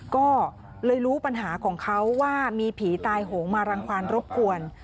ก็เลยรู้ปัญหาของเขาว่ามีผีตายโหงมารังความรบกวน